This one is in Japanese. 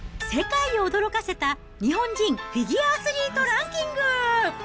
世界を驚かせた日本人フィギュアアスリートランキング。